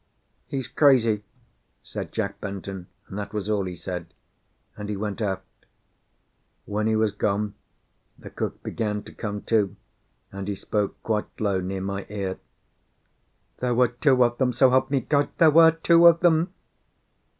"He's crazy!" said Jack Benton, and that was all he said; and he went aft. When he was gone, the cook began to come to, and he spoke quite low, near my ear. "There were two of them! So help me God, there were two of them!"